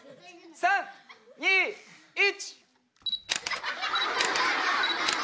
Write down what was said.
３２１。